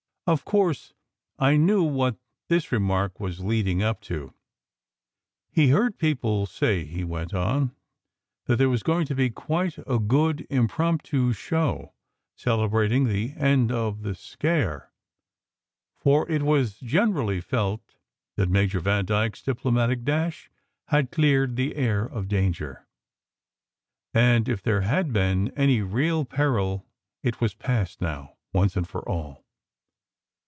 Of course I knew what this remark was leading up to! He d heard people say, he went on, that there was going to be quite a good impromptu show, celebrating the end of the " scare"; for it was generally felt that Major Vandyke s diplomatic dash had cleared the air of danger: and if there had ever been any real peril it was past now, once and for all.